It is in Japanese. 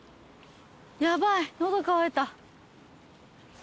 ヤバい喉渇いた。